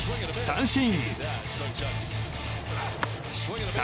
三振！